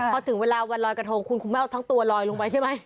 พอถึงเวลาวันลอยกระทงคุณคุณไม่เอาทั้งตัวลอยลงไปใช่ไหม